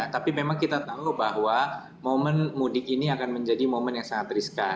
tapi memang kita tahu bahwa momen mudik ini akan menjadi momen yang sangat riskan